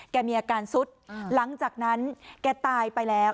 แกมีอาการสุดหลังจากนั้นแกตายไปแล้ว